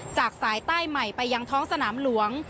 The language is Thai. จากสายใต้ใหม่ไปยังท้องสนามหลวง